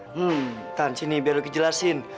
hmm tante sini biar lucky jelasin